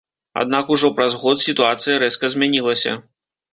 Аднак ужо праз год сітуацыя рэзка змянілася.